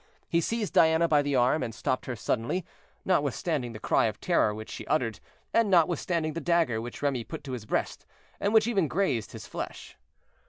He seized Diana by the arm, and stopped her suddenly, notwithstanding the cry of terror which she uttered, and notwithstanding the dagger which Remy put to his breast, and which even grazed his flesh.